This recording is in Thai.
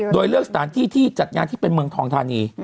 โดยเลือกสถานที่ที่จัดงานที่เป็นเมืองทองธานี